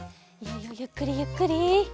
いいよゆっくりゆっくり。